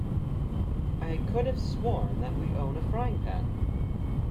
I could have sworn that we own a frying pan.